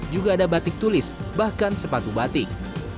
juga ada batik tulis bahkan sepatu batik